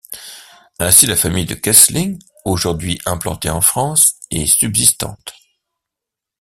Ainsi, la famille de Kesling, aujourd'hui implantée en France, est subsistante.